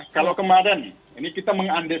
kalau kemarin ini kita mengambil